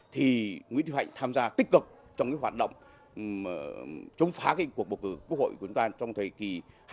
thì nguyễn tiêu hạnh tham gia tích cực trong hoạt động chống phá cuộc bầu cử quốc hội của chúng ta trong thời kỳ hai nghìn một mươi sáu hai nghìn một mươi một